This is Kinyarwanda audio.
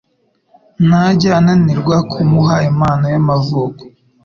Ntajya ananirwa kumuha impano y'amavuko.